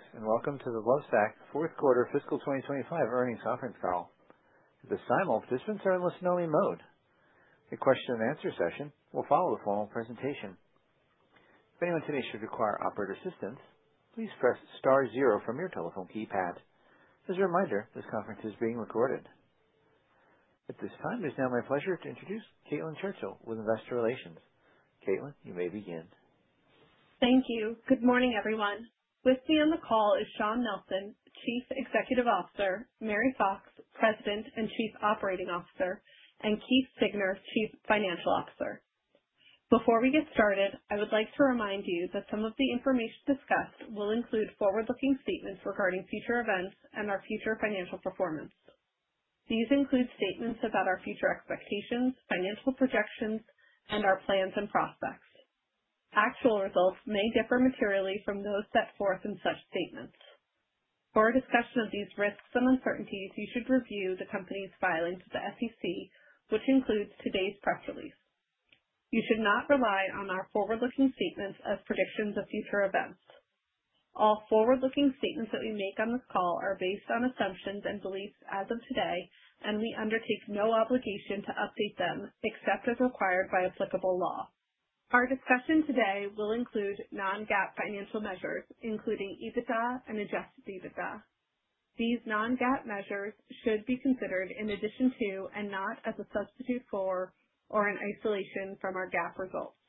Greetings and welcome to The Lovesac Fourth Quarter Fiscal 2025 Earnings Conference Call. At this time, all participants are in listen-only mode. The question-and-answer session will follow the formal presentation. If anyone today should require operator assistance, please press star zero from your telephone keypad. As a reminder, this conference is being recorded. At this time, it is now my pleasure to introduce Caitlin Churchill with Investor Relations. Caitlin, you may begin. Thank you. Good morning, everyone. With me on the call is Shawn Nelson, Chief Executive Officer; Mary Fox, President and Chief Operating Officer; and Keith Siegner, Chief Financial Officer. Before we get started, I would like to remind you that some of the information discussed will include forward-looking statements regarding future events and our future financial performance. These include statements about our future expectations, financial projections, and our plans and prospects. Actual results may differ materially from those set forth in such statements. For our discussion of these risks and uncertainties, you should review the company's filing to the SEC, which includes today's press release. You should not rely on our forward-looking statements as predictions of future events. All forward-looking statements that we make on this call are based on assumptions and beliefs as of today, and we undertake no obligation to update them except as required by applicable law. Our discussion today will include non-GAAP financial measures, including EBITDA and adjusted EBITDA. These non-GAAP measures should be considered in addition to and not as a substitute for or in isolation from our GAAP results.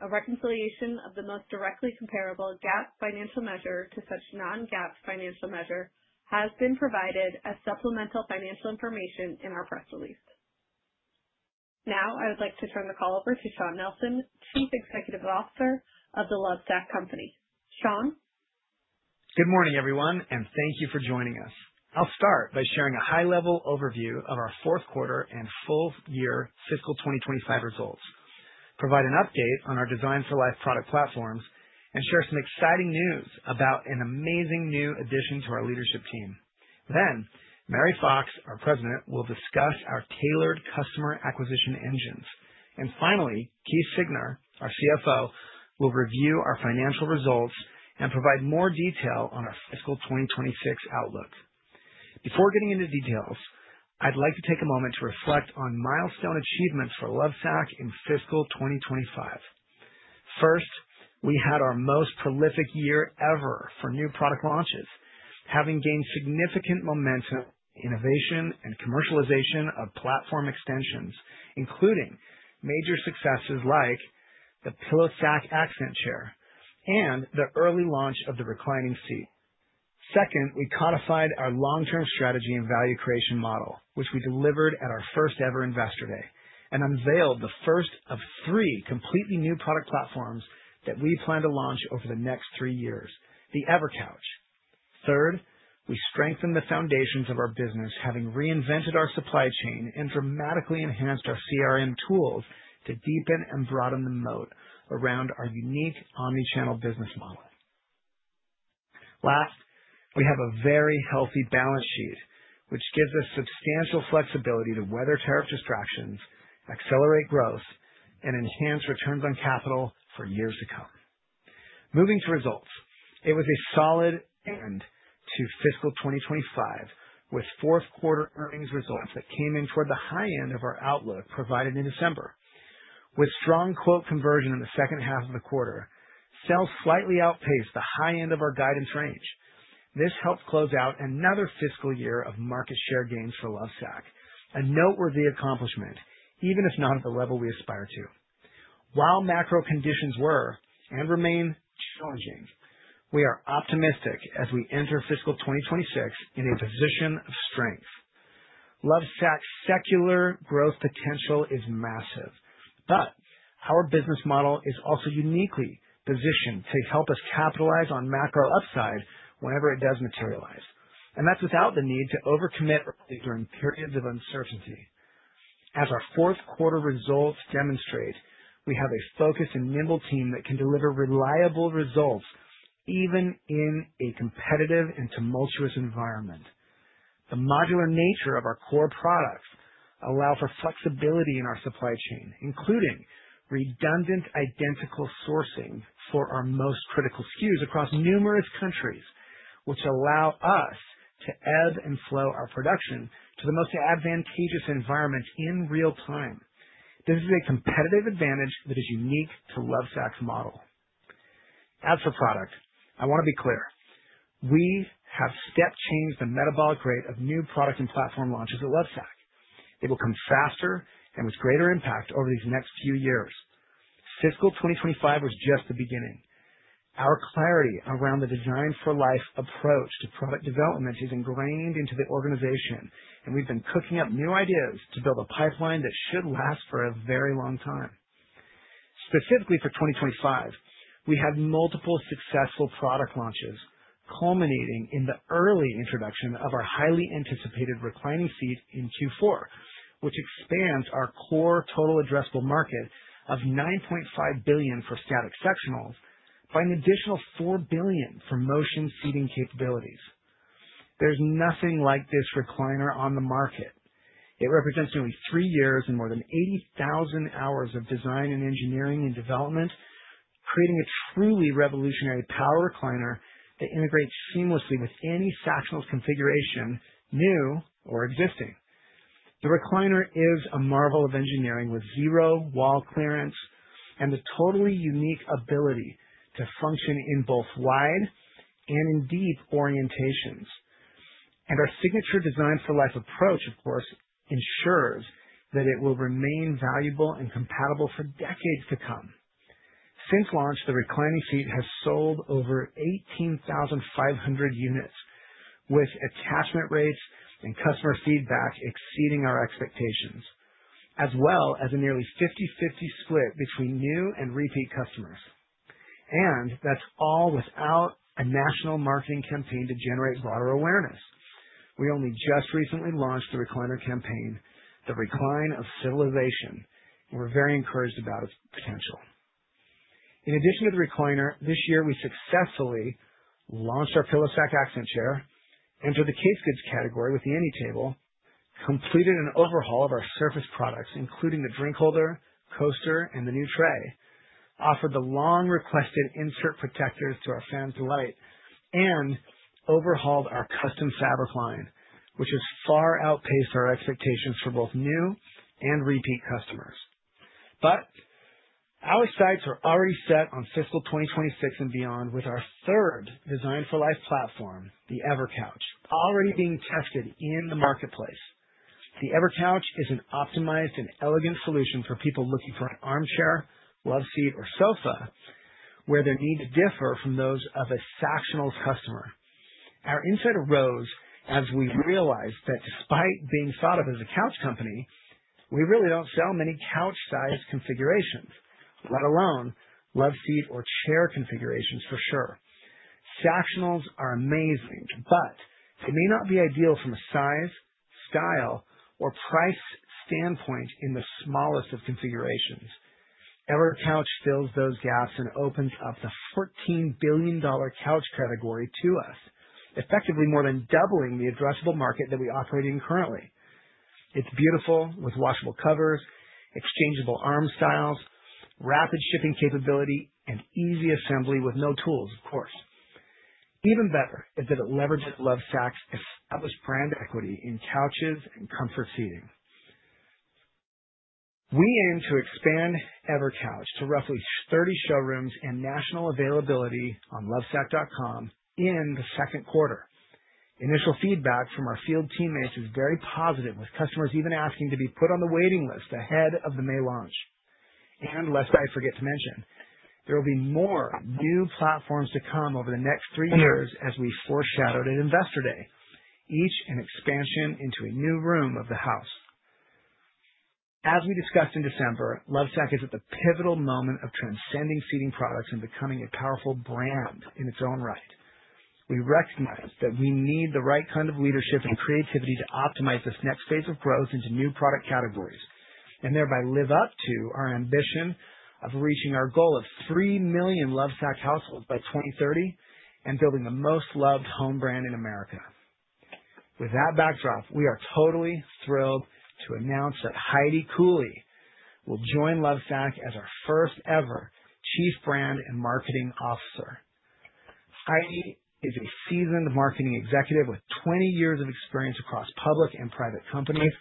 A reconciliation of the most directly comparable GAAP financial measure to such non-GAAP financial measure has been provided as supplemental financial information in our press release. Now, I would like to turn the call over to Shawn Nelson, Chief Executive Officer of The Lovesac Company. Shawn? Good morning, everyone, and thank you for joining us. I'll start by sharing a high-level overview of our fourth quarter and full-year Fiscal 2025 results, provide an update on our Design for Life product platforms, and share some exciting news about an amazing new addition to our leadership team. Mary Fox, our President, will discuss our tailored customer acquisition engines. Finally, Keith Siegner, our CFO, will review our financial results and provide more detail on our Fiscal 2026 outlook. Before getting into details, I'd like to take a moment to reflect on milestone achievements for Lovesac in Fiscal 2025. First, we had our most prolific year ever for new product launches, having gained significant momentum in innovation and commercialization of platform extensions, including major successes like the PillowSac Accent Chair and the early launch of the Reclining Seat. Second, we codified our long-term strategy and value creation model, which we delivered at our first-ever Investor Day, and unveiled the first of three completely new product platforms that we plan to launch over the next three years, the EverCouch. Third, we strengthened the foundations of our business, having reinvented our supply chain and dramatically enhanced our CRM tools to deepen and broaden the moat around our unique omnichannel business model. Last, we have a very healthy balance sheet, which gives us substantial flexibility to weather tariff distractions, accelerate growth, and enhance returns on capital for years to come. Moving to results, it was a solid end to Fiscal 2025 with fourth quarter earnings results that came in toward the high end of our outlook provided in December. With strong quote conversion in the second half of the quarter, sales slightly outpaced the high end of our guidance range. This helped close out another fiscal year of market share gains for Lovesac, a noteworthy accomplishment, even if not at the level we aspire to. While macro conditions were and remain challenging, we are optimistic as we enter Fiscal 2026 in a position of strength. Lovesac's secular growth potential is massive, but our business model is also uniquely positioned to help us capitalize on macro upside whenever it does materialize, and that's without the need to overcommit early during periods of uncertainty. As our fourth quarter results demonstrate, we have a focused and nimble team that can deliver reliable results even in a competitive and tumultuous environment. The modular nature of our core products allows for flexibility in our supply chain, including redundant identical sourcing for our most critical SKUs across numerous countries, which allow us to ebb and flow our production to the most advantageous environments in real time. This is a competitive advantage that is unique to Lovesac's model. As for product, I want to be clear. We have step-changed the metabolic rate of new product and platform launches at Lovesac. They will come faster and with greater impact over these next few years. Fiscal 2025 was just the beginning. Our clarity around the Design For Life approach to product development is ingrained into the organization, and we've been cooking up new ideas to build a pipeline that should last for a very long time. Specifically for 2025, we had multiple successful product launches culminating in the early introduction of our highly anticipated reclining seat in Q4, which expands our core total addressable market of $9.5 billion for static sectionals by an additional $4 billion for motion seating capabilities. There's nothing like this recliner on the market. It represents nearly three years and more than 80,000 hours of design and engineering and development, creating a truly revolutionary power recliner that integrates seamlessly with any sectional configuration, new or existing. The recliner is a marvel of engineering with zero wall clearance and the totally unique ability to function in both wide and in deep orientations. Our signature Design For Life approach, of course, ensures that it will remain valuable and compatible for decades to come. Since launch, the reclining seat has sold over 18,500 units, with attachment rates and customer feedback exceeding our expectations, as well as a nearly 50/50 split between new and repeat customers. That is all without a national marketing campaign to generate broader awareness. We only just recently launched the recliner campaign, The Recline of Civilization, and we are very encouraged about its potential. In addition to the recliner, this year we successfully launched our PillowSac Accent Chair, entered the accessories category with the AnyTable, completed an overhaul of our surface products, including the drink holder, coaster, and the new tray, offered the long-requested Insert Protectors to our fans' delight, and overhauled our custom fabric line, which has far outpaced our expectations for both new and repeat customers. Our sights are already set on Fiscal 2026 and beyond with our third Design For Life platform, the EverCouch, already being tested in the marketplace. The EverCouch is an optimized and elegant solution for people looking for an armchair, loveseat, or sofa where their needs differ from those of a Sactional customer. Our insight arose as we realized that despite being thought of as a couch company, we really do not sell many couch-sized configurations, let alone loveseat or chair configurations for sure. Sactionals are amazing, but they may not be ideal from a size, style, or price standpoint in the smallest of configurations. EverCouch fills those gaps and opens up the $14 billion couch category to us, effectively more than doubling the addressable market that we operate in currently. It's beautiful, with washable covers, exchangeable arm styles, rapid shipping capability, and easy assembly with no tools, of course. Even better is that it leverages Lovesac's established brand equity in couches and comfort seating. We aim to expand EverCouch to roughly 30 showrooms and national availability on lovesac.com in the second quarter. Initial feedback from our field teammates is very positive, with customers even asking to be put on the waiting list ahead of the May launch. Lest I forget to mention, there will be more new platforms to come over the next three years, as we foreshadowed at Investor Day, each an expansion into a new room of the house. As we discussed in December, Lovesac is at the pivotal moment of transcending seating products and becoming a powerful brand in its own right. We recognize that we need the right kind of leadership and creativity to optimize this next phase of growth into new product categories and thereby live up to our ambition of reaching our goal of 3 million Lovesac households by 2030 and building the most loved home brand in America. With that backdrop, we are totally thrilled to announce that Heidi Cooley will join Lovesac as our first-ever Chief Brand and Marketing Officer. Heidi is a seasoned marketing executive with 20 years of experience across public and private companies,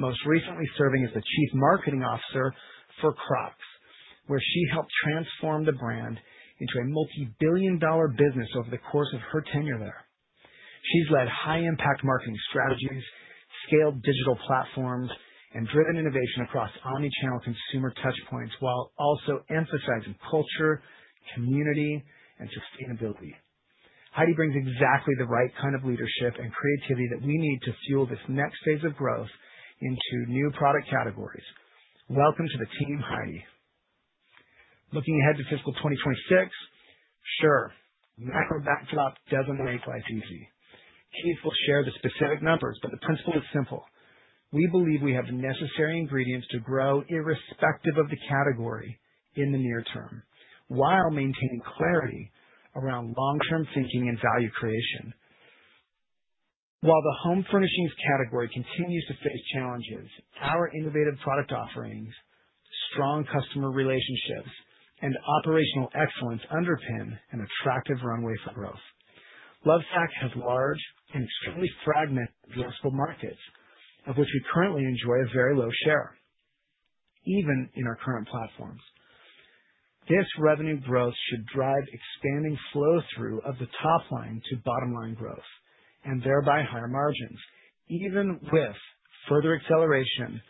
most recently serving as the Chief Marketing Officer for Crocs, where she helped transform the brand into a multi-billion dollar business over the course of her tenure there. She's led high-impact marketing strategies, scaled digital platforms, and driven innovation across omnichannel consumer touchpoints while also emphasizing culture, community, and sustainability. Heidi brings exactly the right kind of leadership and creativity that we need to fuel this next phase of growth into new product categories. Welcome to the team, Heidi. Looking ahead to Fiscal 2026, sure, macro backdrop doesn't make life easy. Keith will share the specific numbers, but the principle is simple. We believe we have the necessary ingredients to grow irrespective of the category in the near term while maintaining clarity around long-term thinking and value creation. While the home furnishings category continues to face challenges, our innovative product offerings, strong customer relationships, and operational excellence underpin an attractive runway for growth. Lovesac has large and extremely fragmented flexible markets, of which we currently enjoy a very low share, even in our current platforms. This revenue growth should drive expanding flow-through of the top line to bottom line growth and thereby higher margins, even with further acceleration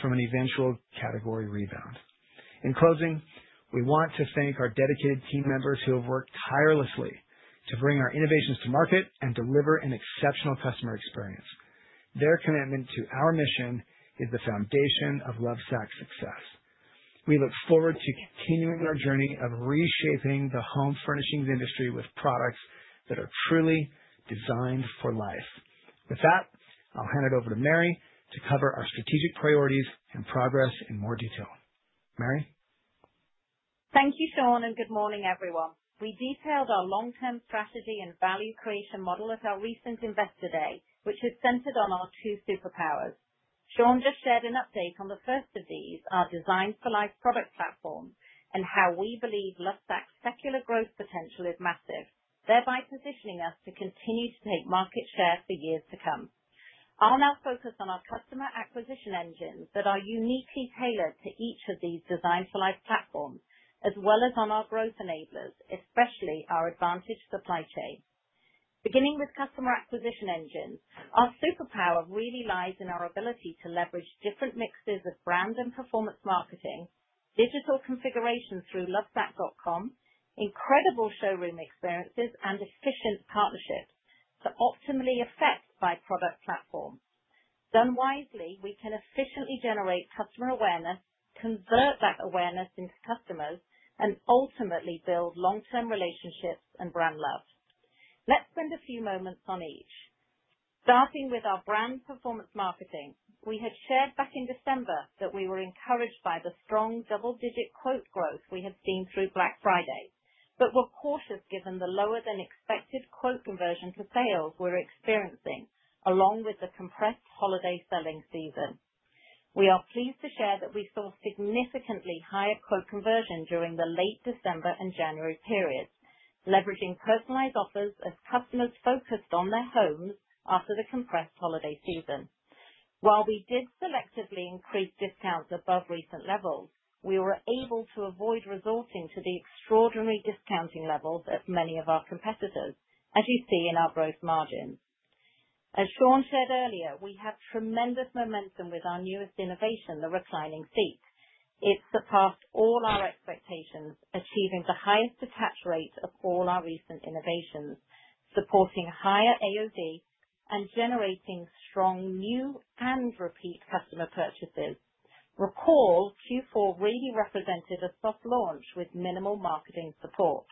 from an eventual category rebound. In closing, we want to thank our dedicated team members who have worked tirelessly to bring our innovations to market and deliver an exceptional customer experience. Their commitment to our mission is the foundation of Lovesac's success. We look forward to continuing our journey of reshaping the home furnishings industry with products that are truly designed for life. With that, I'll hand it over to Mary to cover our strategic priorities and progress in more detail. Mary? Thank you, Shawn, and good morning, everyone. We detailed our long-term strategy and value creation model at our recent Investor Day, which is centered on our two superpowers. Shawn just shared an update on the first of these, our Design For Life product platform, and how we believe Lovesac's secular growth potential is massive, thereby positioning us to continue to take market share for years to come. I'll now focus on our customer acquisition engines that are uniquely tailored to each of these Design For Life platforms, as well as on our growth enablers, especially our advantaged supply chain. Beginning with customer acquisition engines, our superpower really lies in our ability to leverage different mixes of brand and performance marketing, digital configurations through lovesac.com, incredible showroom experiences, and efficient partnerships to optimally affect by product platform. Done wisely, we can efficiently generate customer awareness, convert that awareness into customers, and ultimately build long-term relationships and brand love. Let's spend a few moments on each. Starting with our brand performance marketing, we had shared back in December that we were encouraged by the strong double-digit quote growth we had seen through Black Friday, but were cautious given the lower-than-expected quote conversion for sales we're experiencing, along with the compressed holiday selling season. We are pleased to share that we saw significantly higher quote conversion during the late December and January periods, leveraging personalized offers as customers focused on their homes after the compressed holiday season. While we did selectively increase discounts above recent levels, we were able to avoid resorting to the extraordinary discounting levels of many of our competitors, as you see in our gross margins. As Shawn shared earlier, we have tremendous momentum with our newest innovation, the Reclining Seat. It surpassed all our expectations, achieving the highest attach rate of all our recent innovations, supporting higher AOV and generating strong new and repeat customer purchases. Recall Q4 really represented a soft launch with minimal marketing support,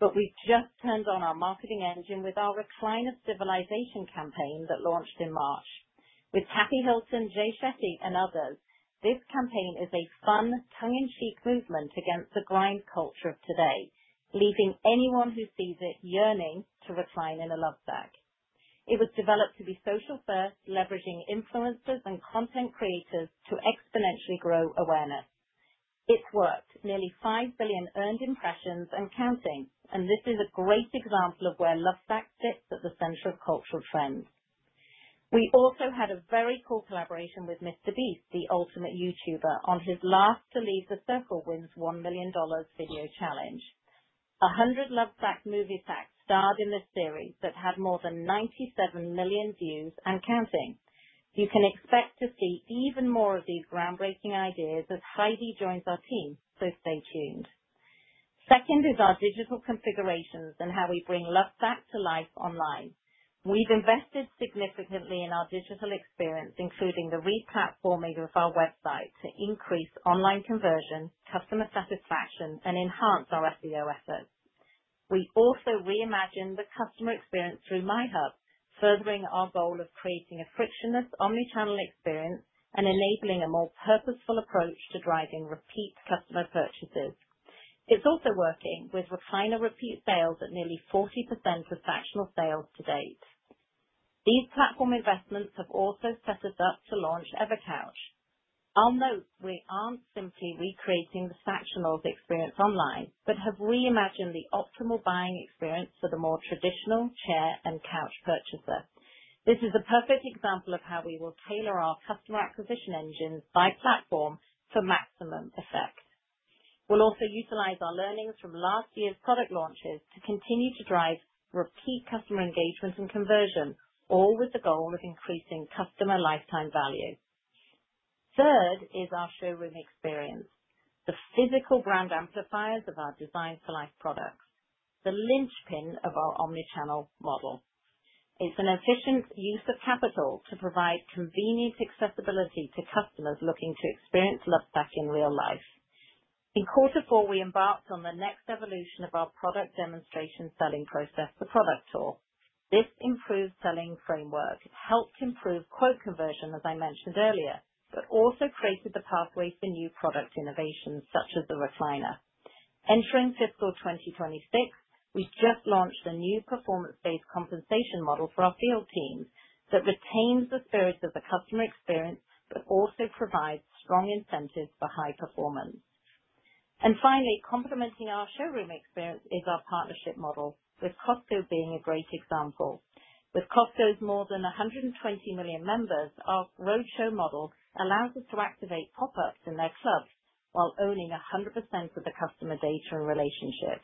but we've just turned on our marketing engine with our Recline of Civilization campaign that launched in March. With Kathy Hilton, Jay Shetty, and others, this campaign is a fun, tongue-in-cheek movement against the grind culture of today, leaving anyone who sees it yearning to recline in a Lovesac. It was developed to be social-first, leveraging influencers and content creators to exponentially grow awareness. It's worked. Nearly 5 billion earned impressions and counting, and this is a great example of where Lovesac sits at the center of cultural trends. We also had a very cool collaboration with MrBeast. Beast, the ultimate YouTuber, on his last-to-leave-the-circle-wins-$1 million video challenge. 100 Lovesac MovieSac starred in this series that had more than 97 million views and counting. You can expect to see even more of these groundbreaking ideas as Heidi joins our team, so stay tuned. Second is our digital configurations and how we bring Lovesac to life online. We've invested significantly in our digital experience, including the re-platforming of our website to increase online conversion, customer satisfaction, and enhance our SEO efforts. We also reimagined the customer experience through MyHub, furthering our goal of creating a frictionless omnichannel experience and enabling a more purposeful approach to driving repeat customer purchases. It's also working with recliner repeat sales at nearly 40% of Sactional sales to date. These platform investments have also set us up to launch EverCouch. I'll note we aren't simply recreating the Sectional experience online, but have reimagined the optimal buying experience for the more traditional chair and couch purchaser. This is a perfect example of how we will tailor our customer acquisition engines by platform for maximum effect. We'll also utilize our learnings from last year's product launches to continue to drive repeat customer engagement and conversion, all with the goal of increasing customer lifetime value. Third is our showroom experience, the physical brand amplifiers of our Design For Life products, the linchpin of our omnichannel model. It's an efficient use of capital to provide convenient accessibility to customers looking to experience Lovesac in real life. In quarter four, we embarked on the next evolution of our product demonstration selling process, the product tour. This improved selling framework helped improve quote conversion, as I mentioned earlier, but also created the pathway for new product innovations, such as the recliner. Entering Fiscal 2026, we just launched a new performance-based compensation model for our field teams that retains the spirit of the customer experience but also provides strong incentives for high performance. Finally, complementing our showroom experience is our partnership model, with Costco being a great example. With Costco's more than 120 million members, our roadshow model allows us to activate pop-ups in their clubs while owning 100% of the customer data and relationship.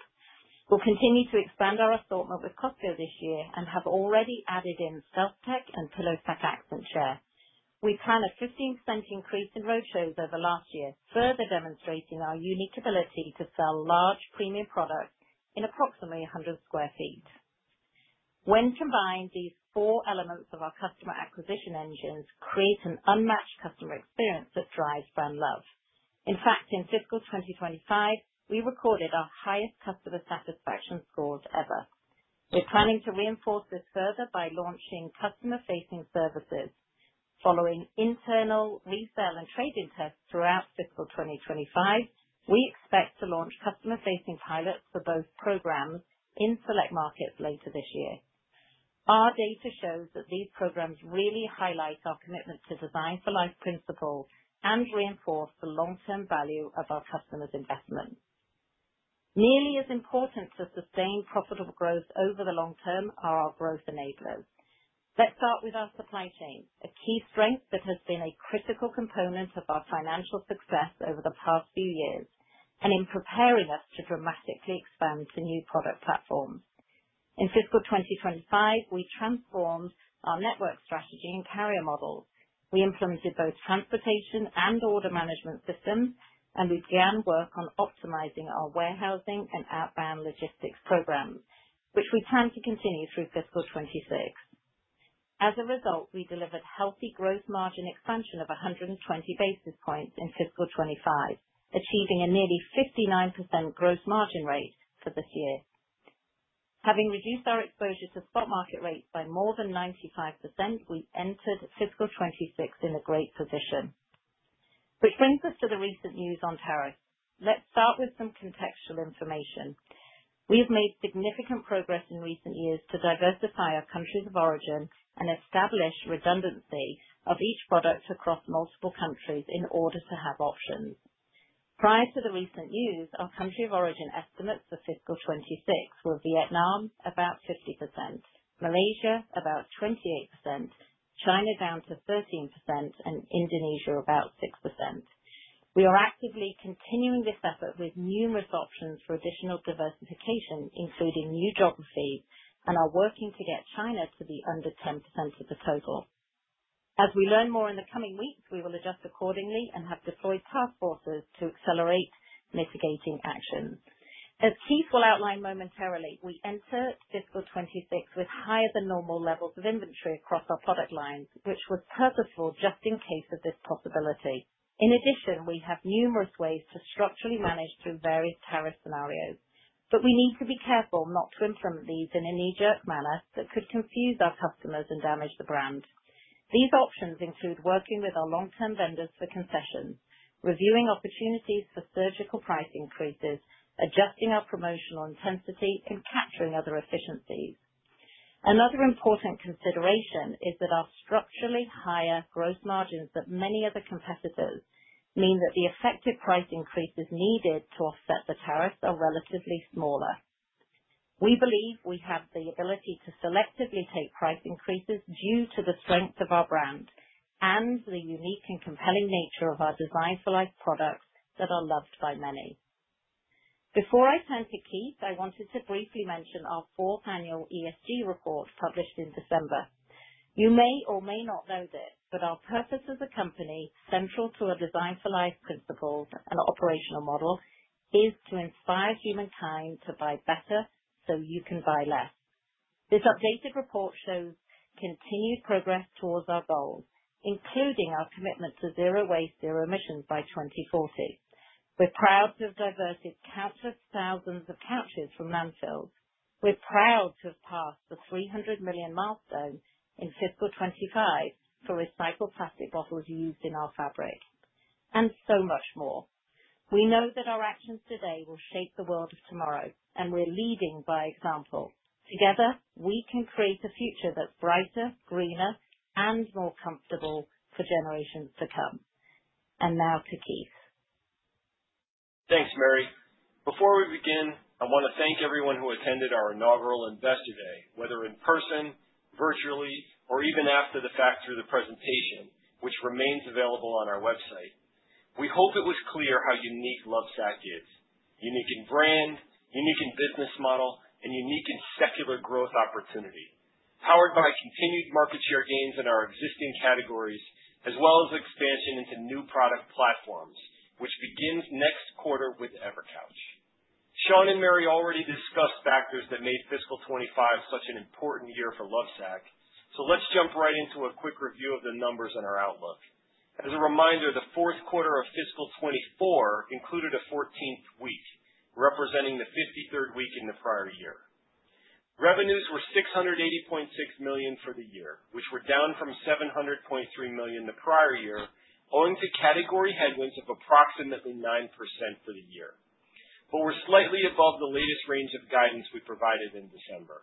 We'll continue to expand our assortment with Costco this year and have already added in StealthTech and PillowSac Accent Chair. We plan a 15% increase in roadshows over last year, further demonstrating our unique ability to sell large premium products in approximately 100 sq ft. When combined, these four elements of our customer acquisition engines create an unmatched customer experience that drives brand love. In fact, in Fiscal 2025, we recorded our highest customer satisfaction scores ever. We're planning to reinforce this further by launching customer-facing services. Following internal resale and trading tests throughout Fiscal 2025, we expect to launch customer-facing pilots for both programs in select markets later this year. Our data shows that these programs really highlight our commitment to Design For Life principle and reinforce the long-term value of our customers' investment. Nearly as important to sustain profitable growth over the long term are our growth enablers. Let's start with our supply chain, a key strength that has been a critical component of our financial success over the past few years and in preparing us to dramatically expand to new product platforms. In Fiscal 2025, we transformed our network strategy and carrier models. We implemented both transportation and order management systems, and we began work on optimizing our warehousing and outbound logistics programs, which we plan to continue through Fiscal 2026. As a result, we delivered healthy gross margin expansion of 120 basis points in Fiscal 2025, achieving a nearly 59% gross margin rate for this year. Having reduced our exposure to spot market rates by more than 95%, we entered Fiscal 2026 in a great position. Which brings us to the recent news on tariffs. Let's start with some contextual information. We have made significant progress in recent years to diversify our countries of origin and establish redundancy of each product across multiple countries in order to have options. Prior to the recent news, our country of origin estimates for Fiscal 2026 were Vietnam, about 50%, Malaysia, about 28%, China down to 13%, and Indonesia, about 6%. We are actively continuing this effort with numerous options for additional diversification, including new geographies, and are working to get China to be under 10% of the total. As we learn more in the coming weeks, we will adjust accordingly and have deployed task forces to accelerate mitigating actions. As Keith will outline momentarily, we entered Fiscal 2026 with higher-than-normal levels of inventory across our product lines, which was purposeful just in case of this possibility. In addition, we have numerous ways to structurally manage through various tariff scenarios, but we need to be careful not to implement these in a knee-jerk manner that could confuse our customers and damage the brand. These options include working with our long-term vendors for concessions, reviewing opportunities for surgical price increases, adjusting our promotional intensity, and capturing other efficiencies. Another important consideration is that our structurally higher gross margins than many other competitors mean that the effective price increases needed to offset the tariffs are relatively smaller. We believe we have the ability to selectively take price increases due to the strength of our brand and the unique and compelling nature of our Design For Life products that are loved by many. Before I turn to Keith, I wanted to briefly mention our fourth annual ESG report published in December. You may or may not know this, but our purpose as a company central to our Design For Life principles and operational model is to inspire humankind to buy better so you can buy less. This updated report shows continued progress towards our goals, including our commitment to zero waste, zero emissions by 2040. We're proud to have diverted countless thousands of couches from landfills. We're proud to have passed the $300 million milestone in Fiscal 2025 for recycled plastic bottles used in our fabric. We know that our actions today will shape the world of tomorrow, and we're leading by example. Together, we can create a future that's brighter, greener, and more comfortable for generations to come. Now to Keith. Thanks, Mary. Before we begin, I want to thank everyone who attended our inaugural Investor Day, whether in person, virtually, or even after the fact through the presentation, which remains available on our website. We hope it was clear how unique Lovesac is: unique in brand, unique in business model, and unique in secular growth opportunity, powered by continued market share gains in our existing categories, as well as expansion into new product platforms, which begins next quarter with EverCouch. Shawn and Mary already discussed factors that made Fiscal 2025 such an important year for Lovesac, so let's jump right into a quick review of the numbers and our outlook. As a reminder, the fourth quarter of Fiscal 2024 included a 14th week, representing the 53rd week in the prior year. Revenues were $680.6 million for the year, which were down from $700.3 million the prior year, owing to category headwinds of approximately 9% for the year, but were slightly above the latest range of guidance we provided in December.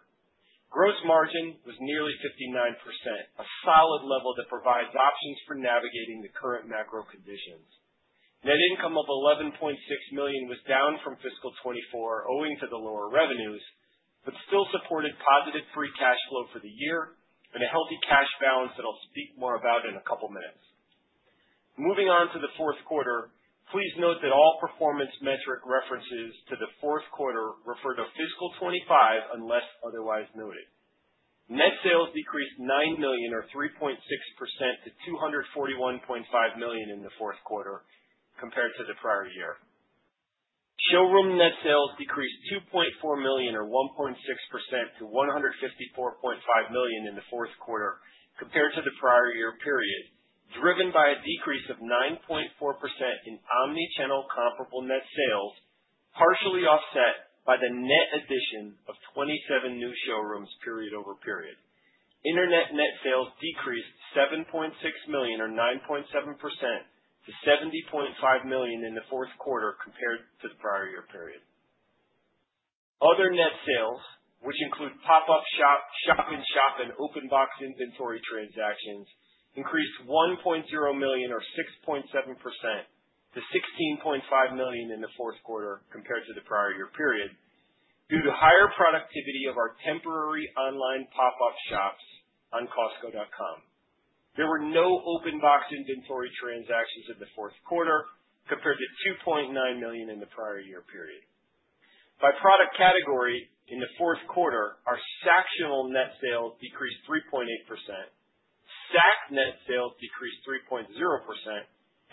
Gross margin was nearly 59%, a solid level that provides options for navigating the current macro conditions. Net income of $11.6 million was down from Fiscal 2024, owing to the lower revenues, but still supported positive free cash flow for the year and a healthy cash balance that I'll speak more about in a couple of minutes. Moving on to the fourth quarter, please note that all performance metric references to the fourth quarter refer to Fiscal 2025 unless otherwise noted. Net sales decreased $9 million, or 3.6%, to $241.5 million in the fourth quarter compared to the prior year. Showroom net sales decreased $2.4 million, or 1.6%, to $154.5 million in the fourth quarter compared to the prior year period, driven by a decrease of 9.4% in omnichannel comparable net sales, partially offset by the net addition of 27 new showrooms period over period. Internet net sales decreased $7.6 million, or 9.7%, to $70.5 million in the fourth quarter compared to the prior year period. Other net sales, which include pop-up shop, shop-in-shop, and open box inventory transactions, increased $1.0 million, or 6.7%, to $16.5 million in the fourth quarter compared to the prior year period due to higher productivity of our temporary online pop-up shops on Costco.com. There were no open box inventory transactions in the fourth quarter compared to $2.9 million in the prior year period. By product category, in the fourth quarter, our Sactionals net sales decreased 3.8%, Sacs net sales decreased 3.0%,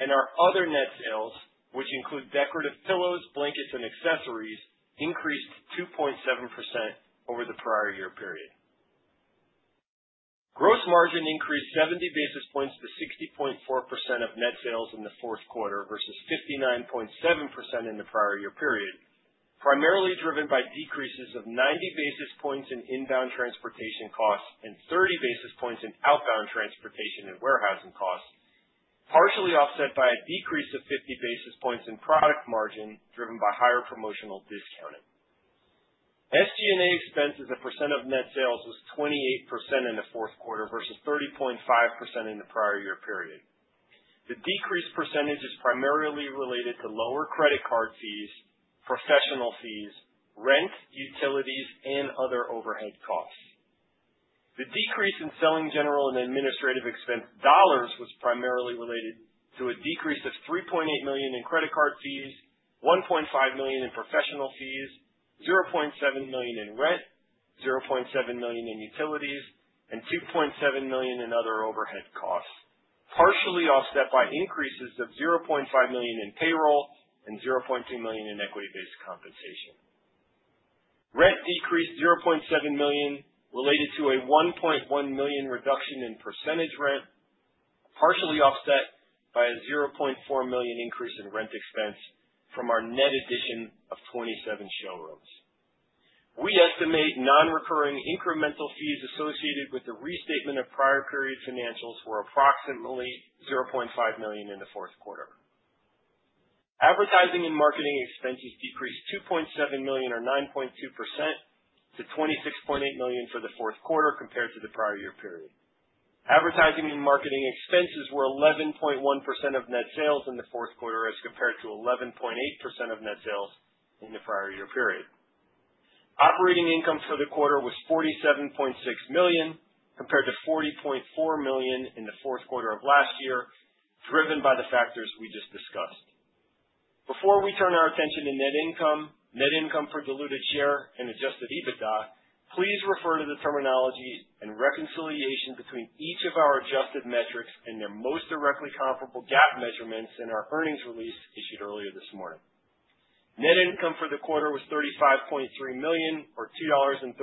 and our other net sales, which include decorative pillows, blankets, and accessories, increased 2.7% over the prior year period. Gross margin increased 70 basis points to 60.4% of net sales in the fourth quarter versus 59.7% in the prior year period, primarily driven by decreases of 90 basis points in inbound transportation costs and 30 basis points in outbound transportation and warehousing costs, partially offset by a decrease of 50 basis points in product margin driven by higher promotional discounting. SG&A expenses as a percent of net sales was 28% in the fourth quarter versus 30.5% in the prior year period. The decreased percentage is primarily related to lower credit card fees, professional fees, rent, utilities, and other overhead costs. The decrease in selling, general, and administrative expense dollars was primarily related to a decrease of $3.8 million in credit card fees, $1.5 million in professional fees, $0.7 million in rent, $0.7 million in utilities, and $2.7 million in other overhead costs, partially offset by increases of $0.5 million in payroll and $0.2 million in equity-based compensation. Rent decreased $0.7 million related to a $1.1 million reduction in percentage rent, partially offset by a $0.4 million increase in rent expense from our net addition of 27 showrooms. We estimate non-recurring incremental fees associated with the restatement of prior period financials were approximately $0.5 million in the fourth quarter. Advertising and marketing expenses decreased $2.7 million, or 9.2%, to $26.8 million for the fourth quarter compared to the prior year period. Advertising and marketing expenses were 11.1% of net sales in the fourth quarter as compared to 11.8% of net sales in the prior year period. Operating income for the quarter was $47.6 million compared to $40.4 million in the fourth quarter of last year, driven by the factors we just discussed. Before we turn our attention to net income, net income per diluted share, and adjusted EBITDA, please refer to the terminology and reconciliation between each of our adjusted metrics and their most directly comparable GAAP measurements in our earnings release issued earlier this morning. Net income for the quarter was $35.3 million, or $2.13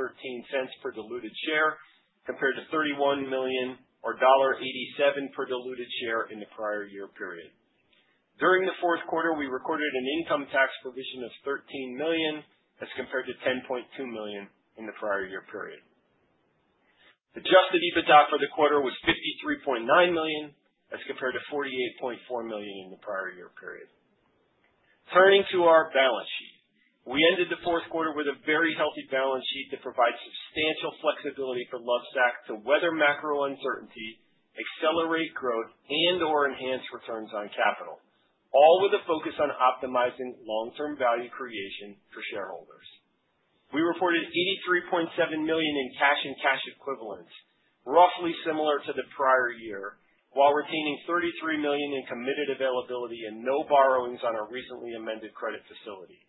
per diluted share, compared to $31 million, or $1.87 per diluted share in the prior year period. During the fourth quarter, we recorded an income tax provision of $13 million as compared to $10.2 million in the prior year period. Adjusted EBITDA for the quarter was $53.9 million as compared to $48.4 million in the prior year period. Turning to our balance sheet, we ended the fourth quarter with a very healthy balance sheet that provides substantial flexibility for Lovesac to weather macro uncertainty, accelerate growth, and/or enhance returns on capital, all with a focus on optimizing long-term value creation for shareholders. We reported $83.7 million in cash and cash equivalents, roughly similar to the prior year, while retaining $33 million in committed availability and no borrowings on our recently amended credit facility.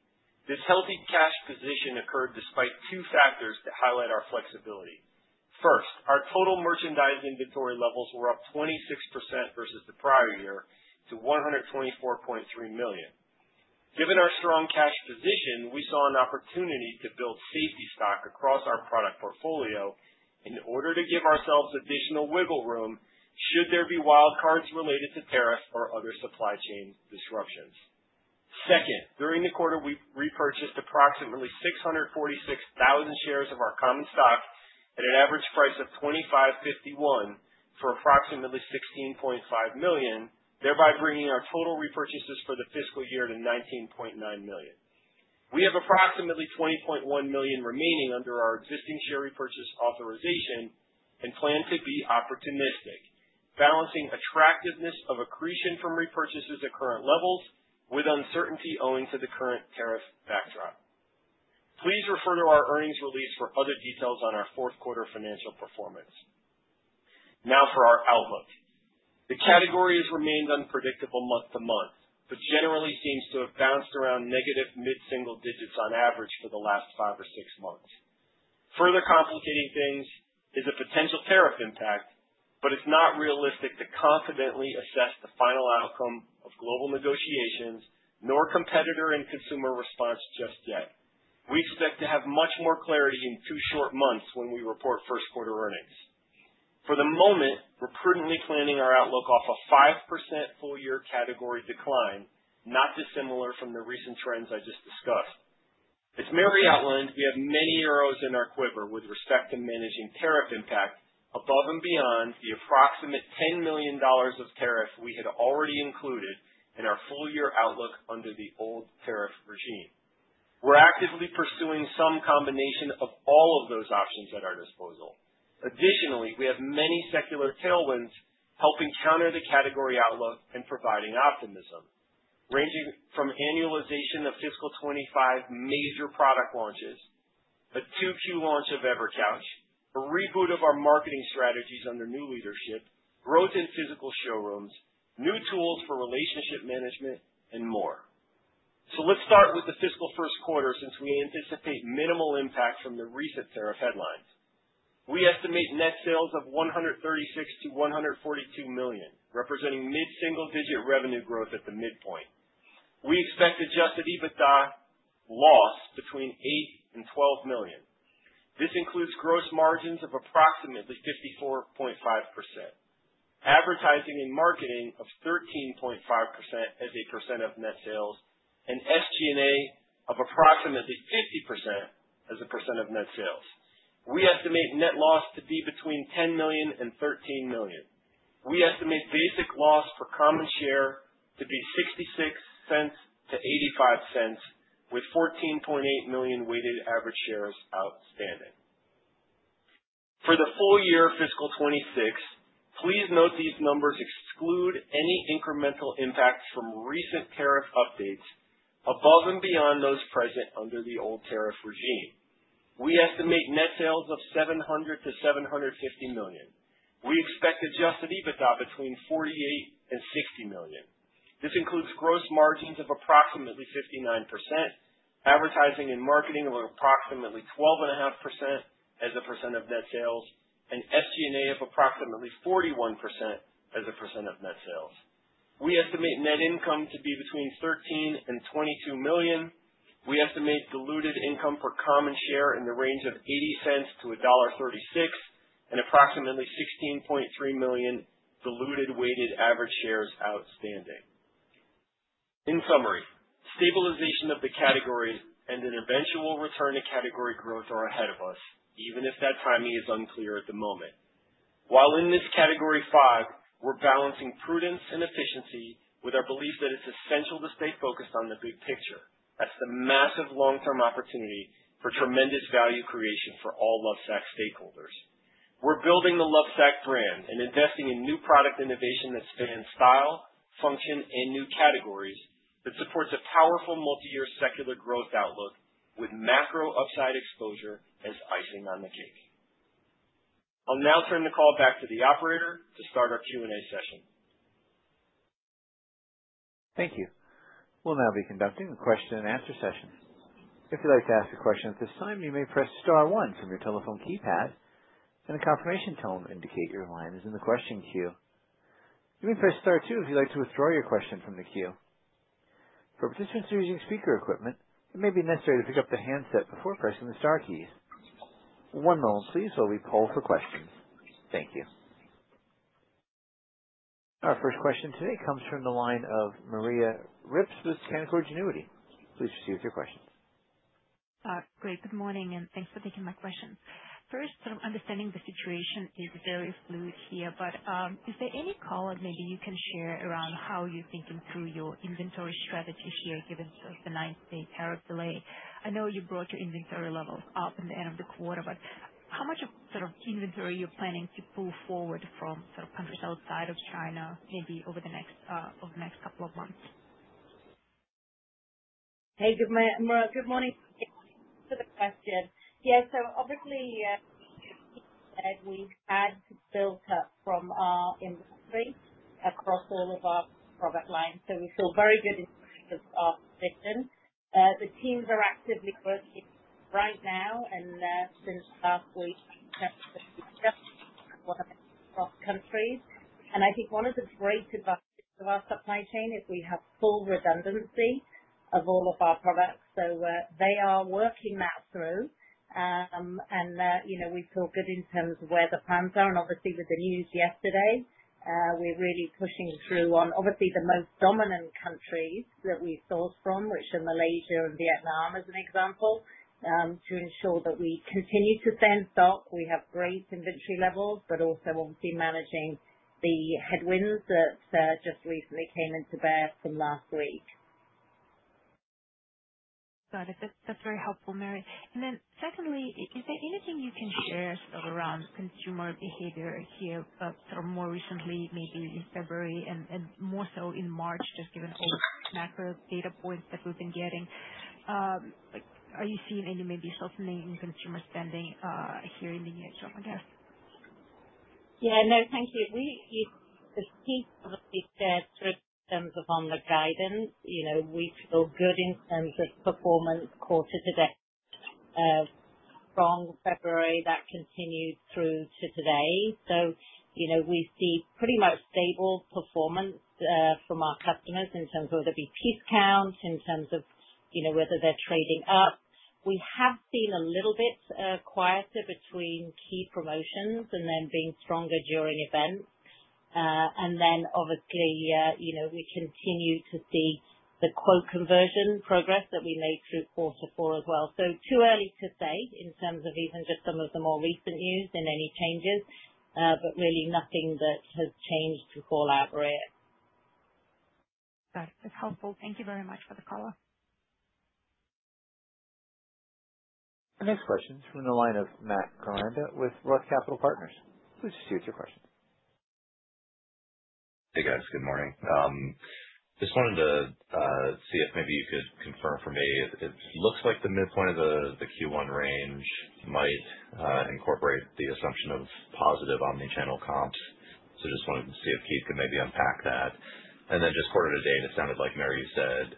This healthy cash position occurred despite two factors that highlight our flexibility. First, our total merchandise inventory levels were up 26% versus the prior year to $124.3 million. Given our strong cash position, we saw an opportunity to build safety stock across our product portfolio in order to give ourselves additional wiggle room should there be wildcards related to tariffs or other supply chain disruptions. Second, during the quarter, we repurchased approximately 646,000 shares of our common stock at an average price of $25.51 for approximately $16.5 million, thereby bringing our total repurchases for the fiscal year to $19.9 million. We have approximately $20.1 million remaining under our existing share repurchase authorization and plan to be opportunistic, balancing attractiveness of accretion from repurchases at current levels with uncertainty owing to the current tariff backdrop. Please refer to our earnings release for other details on our fourth quarter financial performance. Now for our outlook. The category has remained unpredictable month to month, but generally seems to have bounced around negative mid-single digits on average for the last five or six months. Further complicating things is a potential tariff impact, but it's not realistic to confidently assess the final outcome of global negotiations, nor competitor and consumer response just yet. We expect to have much more clarity in two short months when we report first quarter earnings. For the moment, we're prudently planning our outlook off a 5% full-year category decline, not dissimilar from the recent trends I just discussed. As Mary outlined, we have many arrows in our quiver with respect to managing tariff impact above and beyond the approximate $10 million of tariff we had already included in our full-year outlook under the old tariff regime. We're actively pursuing some combination of all of those options at our disposal. Additionally, we have many secular tailwinds helping counter the category outlook and providing optimism, ranging from annualization of Fiscal 2025 major product launches, a 2Q launch of EverCouch, a reboot of our marketing strategies under new leadership, growth in physical showrooms, new tools for relationship management, and more. Let's start with the fiscal first quarter since we anticipate minimal impact from the recent tariff headlines. We estimate net sales of $136 million-$142 million, representing mid-single digit revenue growth at the midpoint. We expect adjusted EBITDA loss between $8 million and $12 million. This includes gross margins of approximately 54.5%, advertising and marketing of 13.5% as a percent of net sales, and SG&A of approximately 50% as a percent of net sales. We estimate net loss to be between $10 million and $13 million. We estimate basic loss for common share to be $0.66-$0.85, with 14.8 million weighted average shares outstanding. For the full year fiscal 2026, please note these numbers exclude any incremental impacts from recent tariff updates above and beyond those present under the old tariff regime. We estimate net sales of $700 million-$750 million. We expect adjusted EBITDA between $48 million-$60 million. This includes gross margins of approximately 59%, advertising and marketing of approximately 12.5% as a percent of net sales, and SG&A of approximately 41% as a percent of net sales. We estimate net income to be between $13 million-$22 million. We estimate diluted income for common share in the range of $0.80-$1.36 and approximately 16.3 million diluted weighted average shares outstanding. In summary, stabilization of the categories and an eventual return to category growth are ahead of us, even if that timing is unclear at the moment. While in this category five, we're balancing prudence and efficiency with our belief that it's essential to stay focused on the big picture. That's the massive long-term opportunity for tremendous value creation for all Lovesac stakeholders. We're building the Lovesac brand and investing in new product innovation that spans style, function, and new categories that supports a powerful multi-year secular growth outlook with macro upside exposure as icing on the cake. I'll now turn the call back to the operator to start our Q&A session. Thank you. We'll now be conducting a question and answer session. If you'd like to ask a question at this time, you may press star one from your telephone keypad, and a confirmation tone will indicate your line is in the question queue. You may press star two if you'd like to withdraw your question from the queue. For participants who are using speaker equipment, it may be necessary to pick up the handset before pressing the star keys. One moment, please, while we poll for questions. Thank you. Our first question today comes from the line of Maria Ripps with Canaccord Genuity. Please proceed with your questions. Great. Good morning, and thanks for taking my question. First, sort of understanding the situation is very fluid here, but is there any call or maybe you can share around how you're thinking through your inventory strategy here given the nine-day tariff delay? I know you brought your inventory levels up in the end of the quarter, but how much of sort of inventory are you planning to pull forward from sort of countries outside of China maybe over the next couple of months? Hey, good morning. Thanks for the question. Yeah, as Keith said, we had built up from our inventory across all of our product lines, so we feel very good in terms of position. The teams are actively working right now, and since last week, we've just gotten across countries. I think one of the great advantages of our supply chain is we have full redundancy of all of our products, so they are working that through. We feel good in terms of where the plans are. Obviously, with the news yesterday, we're really pushing through on the most dominant countries that we source from, which are Malaysia and Vietnam, as an example, to ensure that we continue to send stock. We have great inventory levels, but also obviously managing the headwinds that just recently came into bear from last week. Got it. That's very helpful, Mary. Secondly, is there anything you can share around consumer behavior here sort of more recently, maybe in February and more so in March, just given all the macro data points that we've been getting? Are you seeing any maybe softening in consumer spending here in the near term, I guess? Yeah, no, thank you. As Keith obviously said, through terms of on the guidance, we feel good in terms of performance quarter to date. From February, that continued through to today. We see pretty much stable performance from our customers in terms of whether it be piece count, in terms of whether they're trading up. We have seen a little bit quieter between key promotions and then being stronger during events. Obviously, we continue to see the quote conversion progress that we made through quarter four as well. Too early to say in terms of even just some of the more recent news and any changes, but really nothing that has changed to call out, Mary. Got it. That's helpful. Thank you very much for the call. Next question is from the line of Matt Koranda with Roth Capital Partners. Please proceed with your question. Hey, guys. Good morning. Just wanted to see if maybe you could confirm for me it looks like the midpoint of the Q1 range might incorporate the assumption of positive omnichannel comps. Just wanted to see if Keith could maybe unpack that. Quarter to date, it sounded like, Mary, you said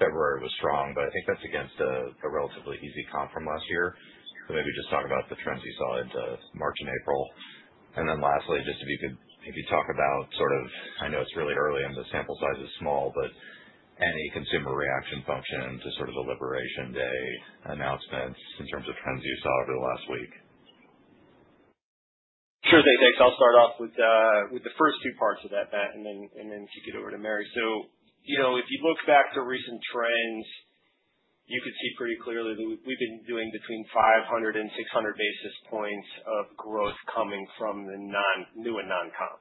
February was strong, but I think that's against a relatively easy comp from last year. Maybe just talk about the trends you saw in March and April. Lastly, if you could maybe talk about sort of, I know it's really early and the sample size is small, but any consumer reaction function to sort of the liberation day announcements in terms of trends you saw over the last week? Sure thing, thanks. I'll start off with the first two parts of that, Matt, and then kick it over to Mary. If you look back to recent trends, you could see pretty clearly that we've been doing between 500 and 600 basis points of growth coming from the new and non-comp.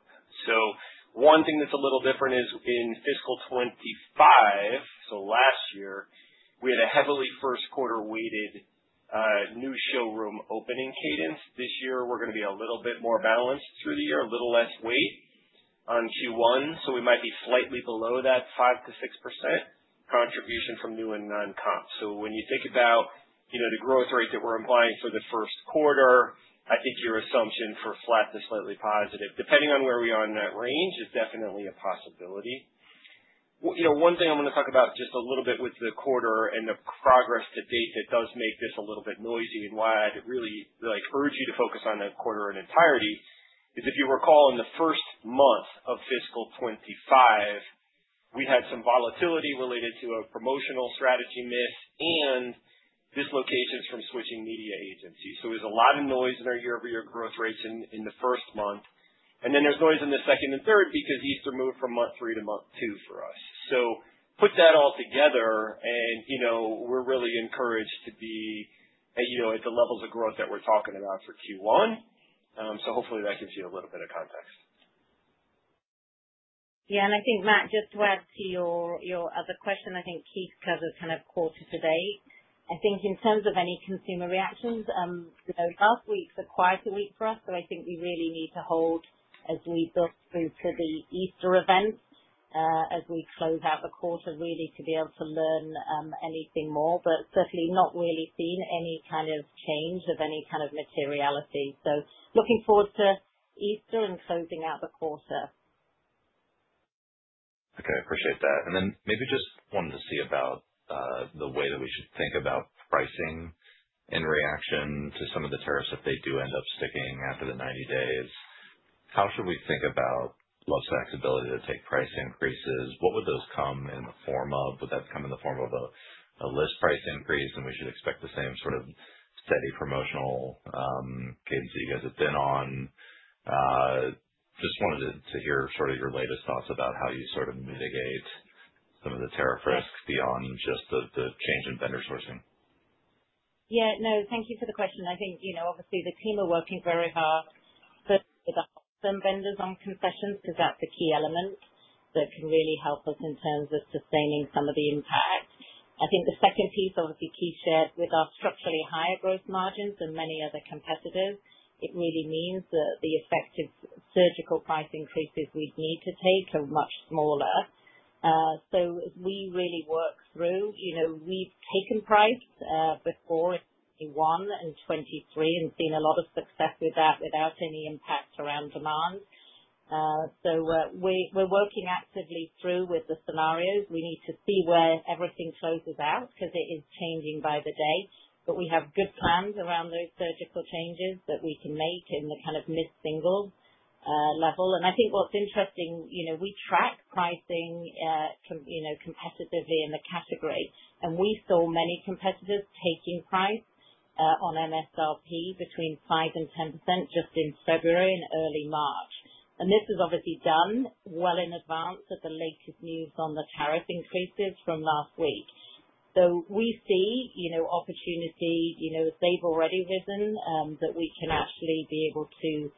One thing that's a little different is in Fiscal 2025, last year, we had a heavily first quarter weighted new showroom opening cadence. This year, we're going to be a little bit more balanced through the year, a little less weight on Q1, so we might be slightly below that 5%-6% contribution from new and non-comp. When you think about the growth rate that we're implying for the first quarter, I think your assumption for flat to slightly positive, depending on where we are in that range, is definitely a possibility. One thing I want to talk about just a little bit with the quarter and the progress to date that does make this a little bit noisy and why I'd really urge you to focus on that quarter in entirety is if you recall in the first month of Fiscal 2025, we had some volatility related to a promotional strategy miss and dislocations from switching media agencies. There is a lot of noise in our year-over-year growth rates in the first month, and then there is noise in the second and third because Easter moved from month three to month two for us. Put that all together, and we are really encouraged to be at the levels of growth that we are talking about for Q1. Hopefully, that gives you a little bit of context. Yeah, and I think, Matt, just to add to your other question, I think Keith covers kind of quarter to date. I think in terms of any consumer reactions, last week is a quieter week for us, so I think we really need to hold as we build through to the Easter event as we close out the quarter really to be able to learn anything more, but certainly not really seeing any kind of change of any kind of materiality. Looking forward to Easter and closing out the quarter. Okay, appreciate that. Maybe just wanted to see about the way that we should think about pricing in reaction to some of the tariffs if they do end up sticking after the 90 days. How should we think about Lovesac's ability to take price increases? What would those come in the form of? Would that come in the form of a list price increase, and we should expect the same sort of steady promotional cadence that you guys have been on? Just wanted to hear sort of your latest thoughts about how you sort of mitigate some of the tariff risk beyond just the change in vendor sourcing. Yeah, no, thank you for the question. I think obviously the team are working very hard to work with our some vendors on concessions because that's a key element that can really help us in terms of sustaining some of the impact. I think the second piece obviously Keith shared with our structurally higher growth margins than many other competitors. It really means that the effective surgical price increases we'd need to take are much smaller. As we really work through, we've taken price before in 2021 and 2023 and seen a lot of success with that without any impact around demand. We are working actively through with the scenarios. We need to see where everything closes out because it is changing by the day, but we have good plans around those surgical changes that we can make in the kind of mid-single level. I think what's interesting, we track pricing competitively in the category, and we saw many competitors taking price on MSRP between 5% and 10% just in February and early March. This was obviously done well in advance of the latest news on the tariff increases from last week. We see opportunity if they've already risen that we can actually be able to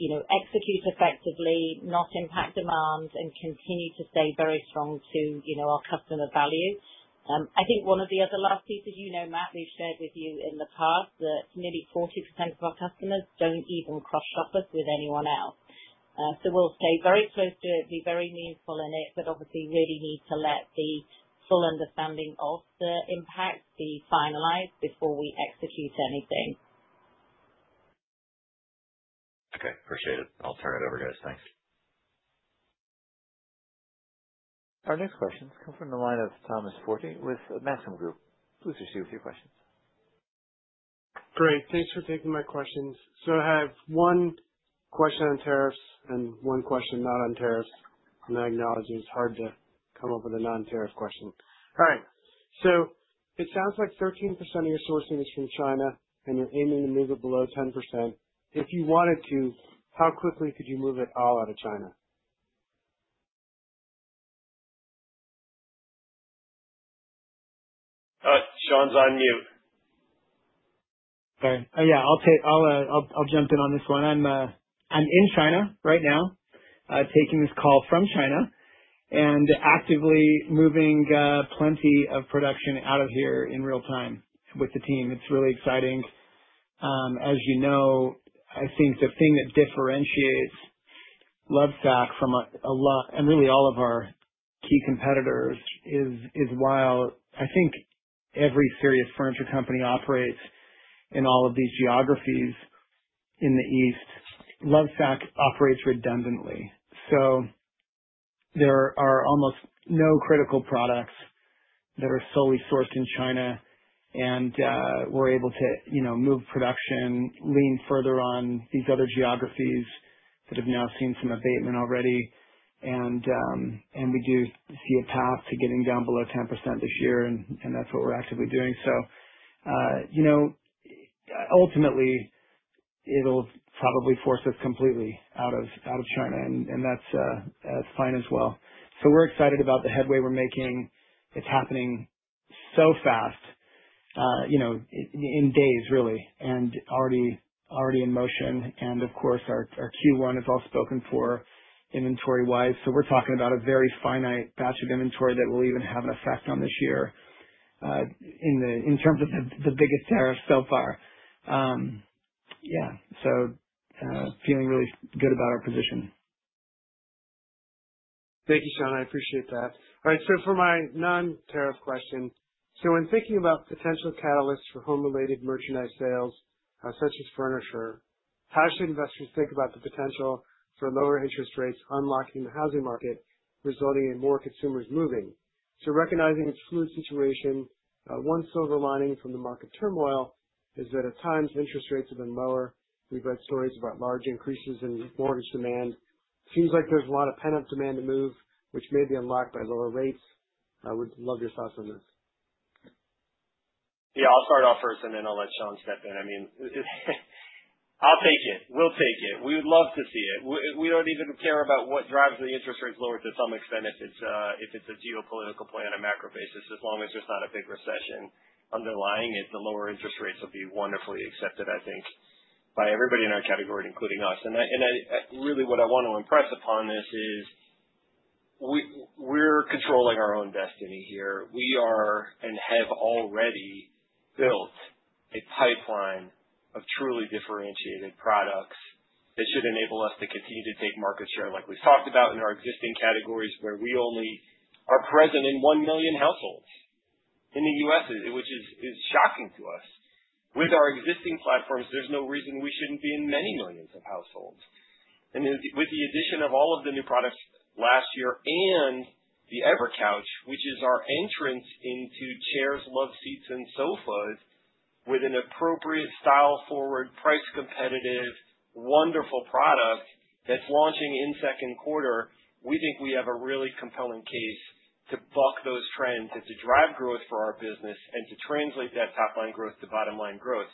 execute effectively, not impact demand, and continue to stay very strong to our customer value. I think one of the other last pieces, you know, Matt, we've shared with you in the past that nearly 40% of our customers don't even cross-shop us with anyone else. So we'll stay very close to it, be very meaningful in it, but obviously really need to let the full understanding of the impact be finalized before we execute anything. Okay, appreciate it. I'll turn it over, guys. Thanks. Our next questions come from the line of Thomas Forte with Maxim Group. Please proceed with your questions. Great. Thanks for taking my questions. I have one question on tariffs and one question not on tariffs, and I acknowledge it's hard to come up with a non-tariff question. All right. It sounds like 13% of your sourcing is from China, and you're aiming to move it below 10%. If you wanted to, how quickly could you move it all out of China? Shawn's on mute. Sorry. Yeah, I'll jump in on this one. I'm in China right now, taking this call from China, and actively moving plenty of production out of here in real time with the team. It's really exciting. As you know, I think the thing that differentiates Lovesac from a lot and really all of our key competitors is while I think every serious furniture company operates in all of these geographies in the east, Lovesac operates redundantly. There are almost no critical products that are solely sourced in China, and we're able to move production, lean further on these other geographies that have now seen some abatement already. We do see a path to getting down below 10% this year, and that's what we're actively doing. Ultimately, it'll probably force us completely out of China, and that's fine as well. We're excited about the headway we're making. It's happening so fast, in days, really, and already in motion. Of course, our Q1 is all spoken for inventory-wise. We're talking about a very finite batch of inventory that we'll even have an effect on this year in terms of the biggest tariffs so far. Yeah, feeling really good about our position. Thank you, Shawn. I appreciate that. All right. For my non-tariff question, when thinking about potential catalysts for home-related merchandise sales such as furniture, how should investors think about the potential for lower interest rates unlocking the housing market, resulting in more consumers moving? Recognizing its fluid situation, one silver lining from the market turmoil is that at times interest rates have been lower. We've read stories about large increases in mortgage demand. It seems like there's a lot of pent-up demand to move, which may be unlocked by lower rates. I would love your thoughts on this. Yeah, I'll start off first, and then I'll let Shawn step in. I mean, I'll take it. We'll take it. We would love to see it. We don't even care about what drives the interest rates lower to some extent if it's a geopolitical play on a macro basis. As long as there's not a big recession underlying it, the lower interest rates will be wonderfully accepted, I think, by everybody in our category, including us. Really what I want to impress upon this is we're controlling our own destiny here. We are and have already built a pipeline of truly differentiated products that should enable us to continue to take market share like we've talked about in our existing categories where we only are present in one million households in the U.S., which is shocking to us. With our existing platforms, there's no reason we shouldn't be in many millions of households. With the addition of all of the new products last year and the EverCouch, which is our entrance into chairs, love seats, and sofas with an appropriate style-forward, price-competitive, wonderful product that's launching in second quarter, we think we have a really compelling case to buck those trends and to drive growth for our business and to translate that top-line growth to bottom-line growth.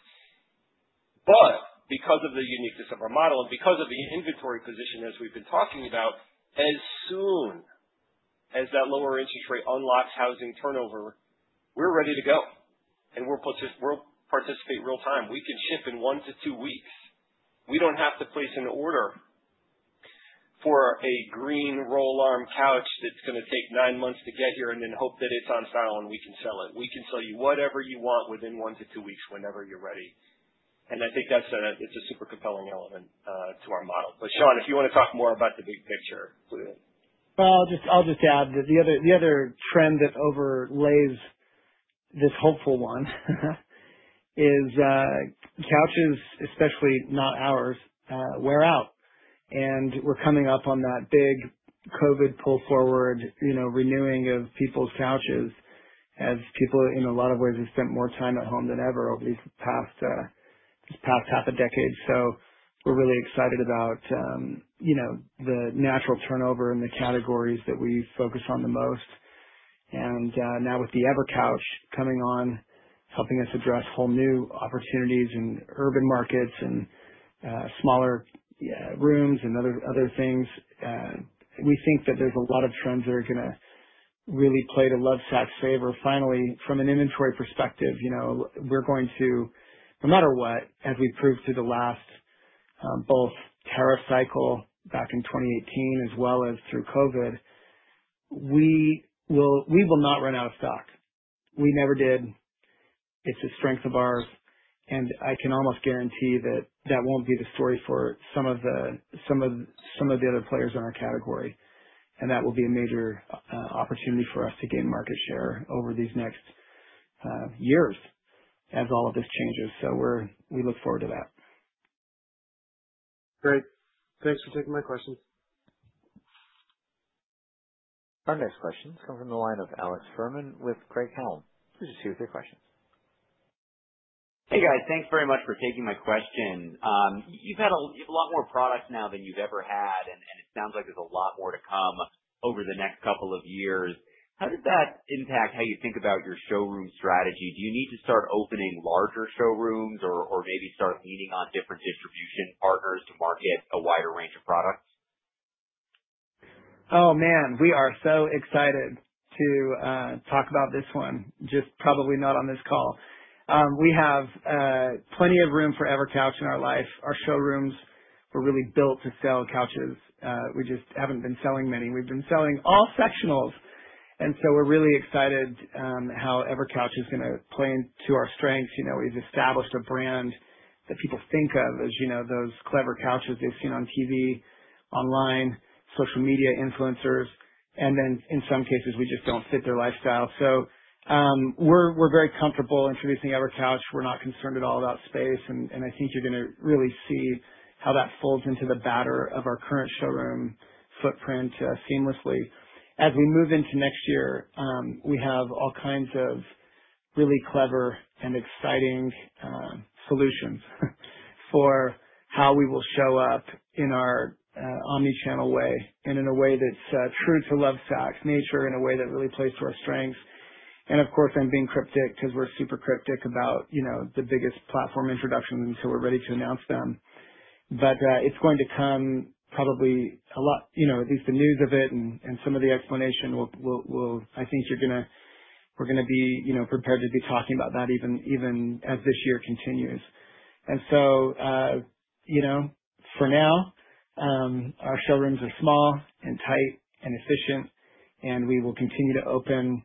Because of the uniqueness of our model and because of the inventory position as we've been talking about, as soon as that lower interest rate unlocks housing turnover, we're ready to go, and we'll participate real time. We can ship in one to two weeks. We don't have to place an order for a green roll-arm couch that's going to take nine months to get here and then hope that it's on file and we can sell it. We can sell you whatever you want within one to two weeks whenever you're ready. I think that it's a super compelling element to our model. Shawn, if you want to talk more about the big picture, please. I'll just add that the other trend that overlays this hopeful one is couches, especially not ours, wear out. We're coming up on that big COVID pull-forward renewing of people's couches as people in a lot of ways have spent more time at home than ever over this past half a decade. We're really excited about the natural turnover in the categories that we focus on the most. Now with the EverCouch coming on, helping us address whole new opportunities in urban markets and smaller rooms and other things, we think that there's a lot of trends that are going to really play to Lovesac's favor. Finally, from an inventory perspective, we're going to, no matter what, as we've proved through the last both tariff cycle back in 2018 as well as through COVID, we will not run out of stock. We never did. It's a strength of ours. I can almost guarantee that that won't be the story for some of the other players in our category. That will be a major opportunity for us to gain market share over these next years as all of this changes. We look forward to that. Great. Thanks for taking my questions. Our next questions come from the line of Alex Fuhrman with Craig-Hallum. Please proceed with your questions. Hey, guys. Thanks very much for taking my question. You've got a lot more products now than you've ever had, and it sounds like there's a lot more to come over the next couple of years. How does that impact how you think about your showroom strategy? Do you need to start opening larger showrooms or maybe start leaning on different distribution partners to market a wider range of products? Oh, man. We are so excited to talk about this one, just probably not on this call. We have plenty of room for EverCouch in our life. Our showrooms were really built to sell couches. We just haven't been selling many. We've been selling all sectionals. We are really excited how EverCouch is going to play into our strengths. We've established a brand that people think of as those clever couches they've seen on TV, online, social media influencers, and then in some cases, we just don't fit their lifestyle. We are very comfortable introducing EverCouch. We are not concerned at all about space. I think you're going to really see how that folds into the batter of our current showroom footprint seamlessly. As we move into next year, we have all kinds of really clever and exciting solutions for how we will show up in our omnichannel way and in a way that's true to Lovesac's nature in a way that really plays to our strengths. Of course, I'm being cryptic because we're super cryptic about the biggest platform introductions until we're ready to announce them. It's going to come probably a lot, at least the news of it and some of the explanation will, I think you're going to, we're going to be prepared to be talking about that even as this year continues. For now, our showrooms are small and tight and efficient, and we will continue to open,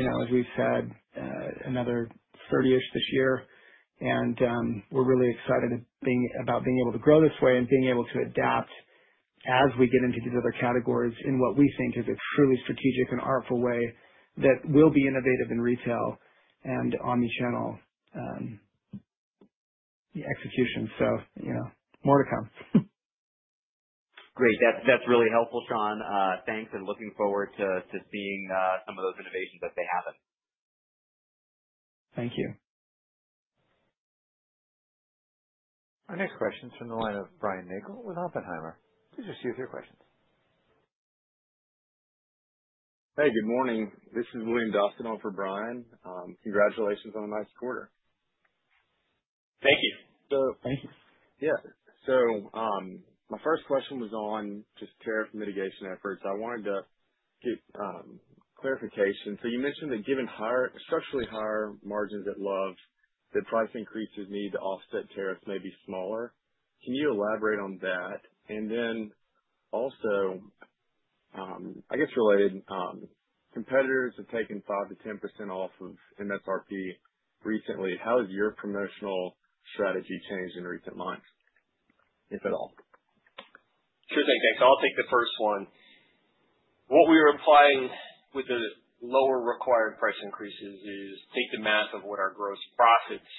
as we've said, another 30-ish this year. We're really excited about being able to grow this way and being able to adapt as we get into these other categories in what we think is a truly strategic and artful way that will be innovative in retail and omnichannel execution. More to come. Great. That's really helpful, Shawn. Thanks, and looking forward to seeing some of those innovations as they happen. Thank you. Our next question is from the line of Brian Nagel with Oppenheimer. Please proceed with your questions. Hey, good morning. This is William [Dostinov] for Brian. Congratulations on a nice quarter. Thank you. Thank you. My first question was on just tariff mitigation efforts. I wanted to get clarification. You mentioned that given structurally higher margins at Lovesac, the price increases needed to offset tariffs may be smaller. Can you elaborate on that? I guess related, competitors have taken 5%-10% off of MSRP recently. How has your promotional strategy changed in recent months, if at all? Sure thing. Thanks. I'll take the first one. What we are implying with the lower required price increases is take the math of what our gross profits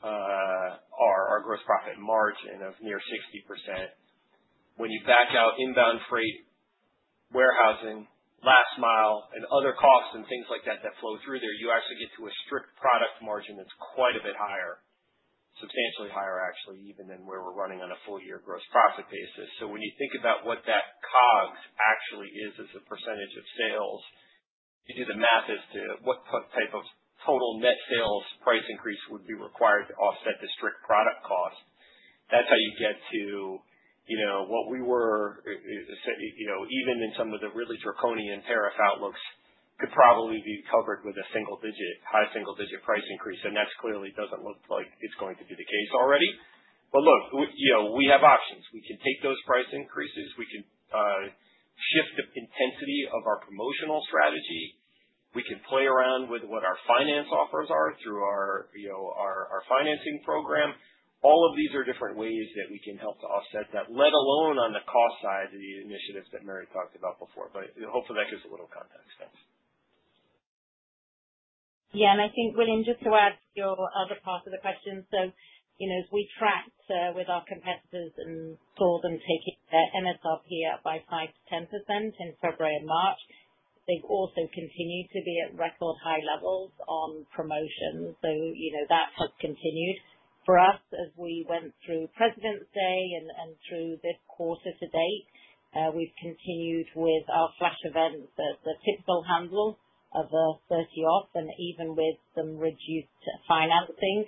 are, our gross profit margin of near 60%. When you back out inbound freight, warehousing, last mile, and other costs and things like that that flow through there, you actually get to a strict product margin that's quite a bit higher, substantially higher actually, even than where we're running on a full-year gross profit basis. When you think about what that COGS actually is as a percentage of sales, you do the math as to what type of total net sales price increase would be required to offset the strict product cost. That's how you get to what we were even in some of the really draconian tariff outlooks could probably be covered with a single-digit, high single-digit price increase. That clearly doesn't look like it's going to be the case already. Look, we have options. We can take those price increases. We can shift the intensity of our promotional strategy. We can play around with what our finance offers are through our financing program. All of these are different ways that we can help to offset that, let alone on the cost side of the initiatives that Mary talked about before. Hopefully, that gives a little context. Thanks. Yeah. I think, William, just to add your other part of the question. As we tracked with our competitors and saw them taking their MSRP up by 5%-10% in February and March, they've also continued to be at record high levels on promotions. That has continued. For us, as we went through Presidents' Day and through this quarter to date, we've continued with our flash events, the typical handle of a 30-off, and even with some reduced financing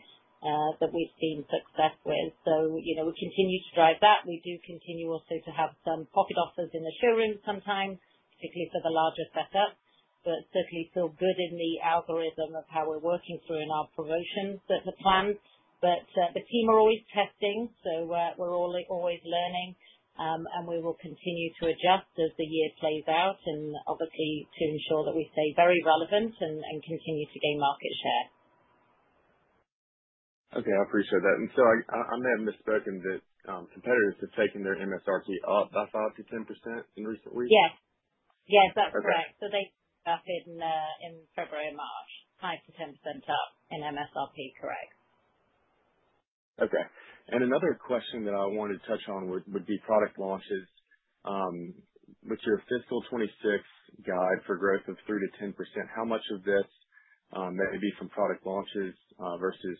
that we've seen success with. We continue to drive that. We do continue also to have some pocket offers in the showroom sometimes, particularly for the larger setup, but certainly feel good in the algorithm of how we're working through in our promotions that we're planned. The team are always testing. We're always learning, and we will continue to adjust as the year plays out and obviously to ensure that we stay very relevant and continue to gain market share. I appreciate that. I may have misspoken that competitors have taken their MSRP up by 5%-10% in recent weeks? Yes. Yes, that's correct. They've been up in February and March, 5%-10% up in MSRP, correct. Okay. Another question that I wanted to touch on would be product launches. With your Fiscal 2026 guide for growth of 3%-10%, how much of this may be from product launches versus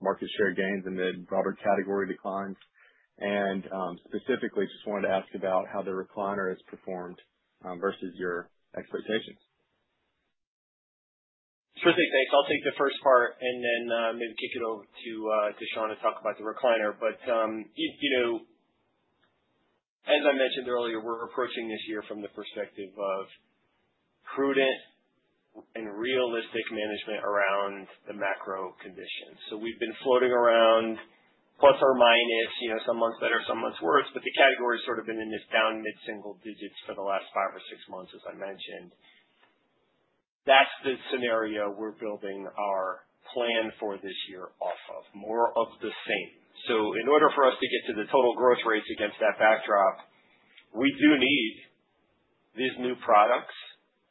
market share gains and then broader category declines? Specifically, just wanted to ask about how the recliner has performed versus your expectations. Sure thing. Thanks. I'll take the first part and then maybe kick it over to Shawn to talk about the recliner. As I mentioned earlier, we're approaching this year from the perspective of prudent and realistic management around the macro conditions. We've been floating around plus or minus, some months better, some months worse, but the category has sort of been in this down mid-single digits for the last five or six months, as I mentioned. That's the scenario we're building our plan for this year off of, more of the same. In order for us to get to the total growth rates against that backdrop, we do need these new products,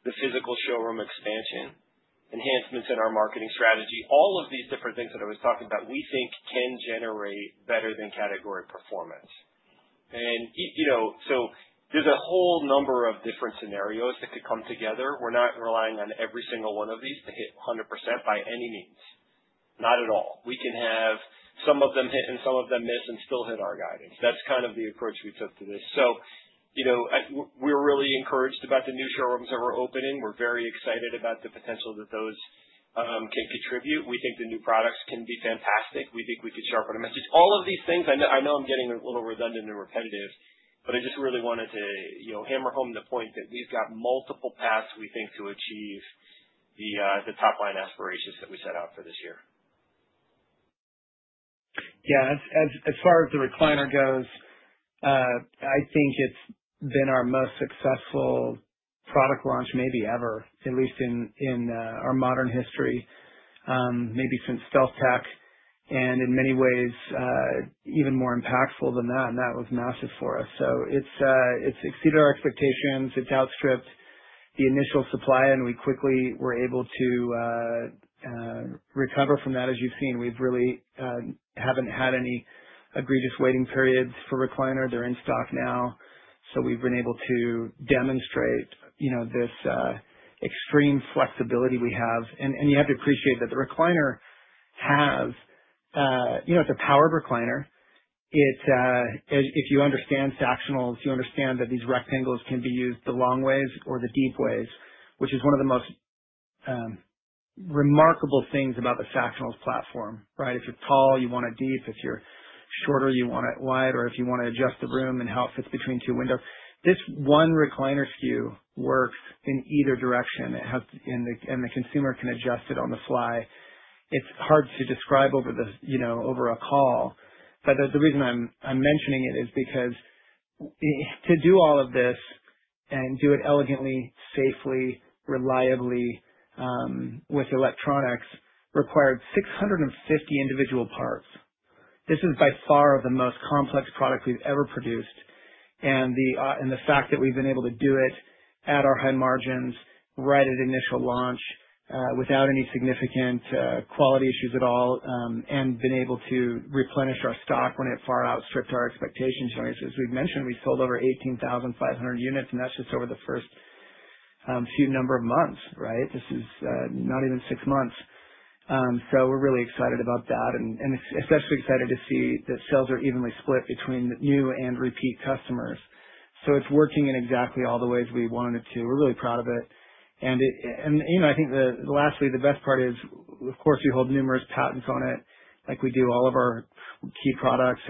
the physical showroom expansion, enhancements in our marketing strategy, all of these different things that I was talking about, we think can generate better than category performance. There is a whole number of different scenarios that could come together. We're not relying on every single one of these to hit 100% by any means. Not at all. We can have some of them hit and some of them miss and still hit our guidance. That is kind of the approach we took to this. We are really encouraged about the new showrooms that we are opening. We are very excited about the potential that those can contribute. We think the new products can be fantastic. We think we could sharpen a message. All of these things, I know I am getting a little redundant and repetitive, but I just really wanted to hammer home the point that we have got multiple paths, we think, to achieve the top-line aspirations that we set out for this year. Yeah. As far as the recliner goes, I think it's been our most successful product launch maybe ever, at least in our modern history, maybe since StealthTech, and in many ways, even more impactful than that. That was massive for us. It has exceeded our expectations. It has outstripped the initial supply, and we quickly were able to recover from that, as you've seen. We really haven't had any egregious waiting periods for recliner. They're in stock now. We have been able to demonstrate this extreme flexibility we have. You have to appreciate that the recliner is a powered recliner. If you understand Sactionals, you understand that these rectangles can be used the long ways or the deep ways, which is one of the most remarkable things about the Sactionals platform, right? If you're tall, you want it deep. If you're shorter, you want it wide. If you want to adjust the room and how it fits between two windows, this one recliner SKU works in either direction. The consumer can adjust it on the fly. It's hard to describe over a call. The reason I'm mentioning it is because to do all of this and do it elegantly, safely, reliably with electronics required 650 individual parts. This is by far the most complex product we've ever produced. The fact that we've been able to do it at our high margins right at initial launch without any significant quality issues at all and been able to replenish our stock when it far outstripped our expectations. As we've mentioned, we sold over 18,500 units, and that's just over the first few number of months, right? This is not even six months. We're really excited about that and especially excited to see that sales are evenly split between new and repeat customers. It's working in exactly all the ways we wanted it to. We're really proud of it. I think lastly, the best part is, of course, we hold numerous patents on it like we do all of our key products.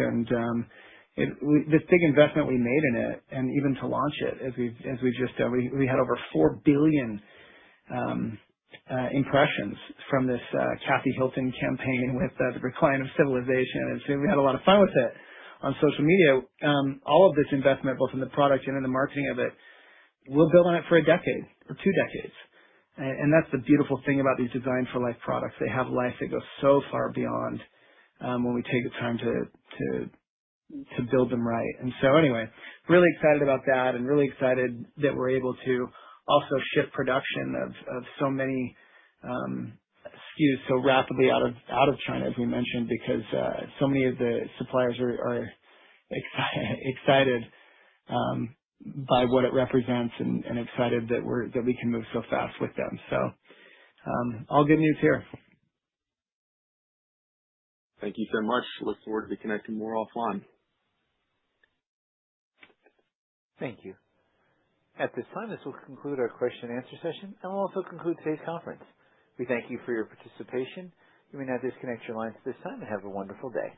This big investment we made in it and even to launch it, as we just we had over 4 billion impressions from this Kathy Hilton campaign with the Recline of Civilization. We had a lot of fun with it on social media. All of this investment, both in the product and in the marketing of it, we'll build on it for a decade or two decades. That's the beautiful thing about these Design For Life products. They have life that goes so far beyond when we take the time to build them right. Anyway, really excited about that and really excited that we're able to also shift production of so many SKUs so rapidly out of China, as we mentioned, because so many of the suppliers are excited by what it represents and excited that we can move so fast with them. All good news here. Thank you so much. Look forward to connecting more offline. Thank you. At this time, this will conclude our question-and-answer session, and we'll also conclude today's conference. We thank you for your participation. You may now disconnect your lines at this time and have a wonderful day.